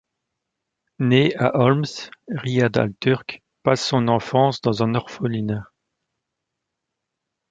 Né à Homs, Riyad al-Turk passe son enfance dans un orphelinat.